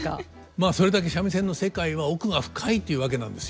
まあそれだけ三味線の世界は奥が深いというわけなんですよ。